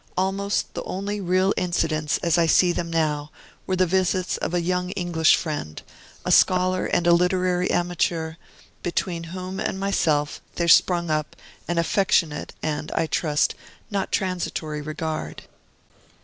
Almost the only real incidents, as I see them now, were the visits of a young English friend, a scholar and a literary amateur, between whom and myself there sprung up an affectionate, and, I trust, not transitory regard.